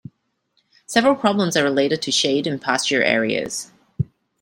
Several problems are related to shade in pasture areas.